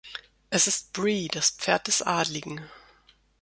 Es ist Bree, das Pferd des Adligen.